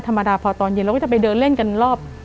ธรรมดาพอตอนเย็นเราก็จะไปเดินเล่นกันรอบ